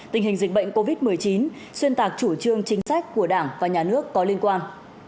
tình hình dịch bệnh covid một mươi chín xuyên tạc chủ trương chính sách của đảng và nhà nước có liên quan